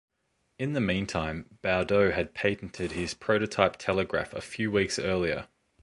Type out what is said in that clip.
In the meantime, Baudot had patented his prototype telegraph a few weeks earlier.